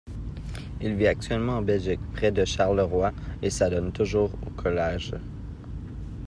Il vit actuellement en Belgique, près de Charleroi, et s'adonne toujours aux collage.